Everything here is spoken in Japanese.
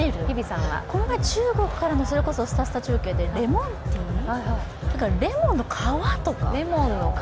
この前、中国からのすたすた中継でレモンティー、レモンの皮とか。